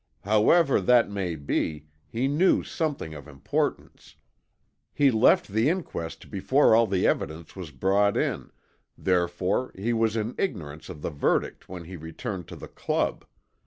However that may be, he knew something of importance. He left the inquest before all the evidence was brought in, therefore he was in ignorance of the verdict when he returned to the Club.